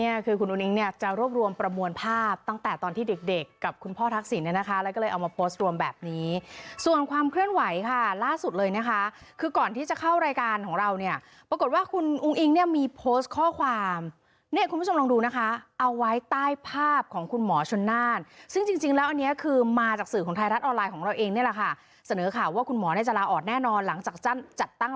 อันนี้คือคุณอุ้งอิงเนี่ยจะรวบรวมประมวลภาพตั้งแต่ตอนที่เด็กกับคุณพ่อทักษิณนะคะแล้วก็เลยเอามาโพสต์รวมแบบนี้ส่วนความเคลื่อนไหวค่ะล่าสุดเลยนะคะคือก่อนที่จะเข้ารายการของเราเนี่ยปรากฏว่าคุณอุ้งอิงเนี่ยมีโพสต์ข้อความเนี่ยคุณผู้ชมลองดูนะคะเอาไว้ใต้ภาพของคุณหมอชนน่านซึ่งจริงแล้วอั